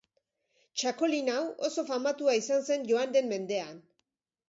Txakolin hau oso famatua izan zen joan den mendean.